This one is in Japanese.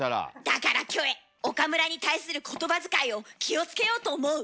だからキョエ岡村に対する言葉遣いを気をつけようと思う。